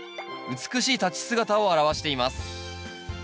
美しい立ち姿を表しています。